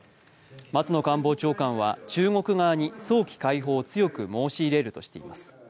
松野官房長官は中国側に早期解放を強く申し入れるとしています。